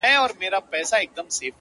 وارخطا ژبه یې وچه سوه په خوله کي؛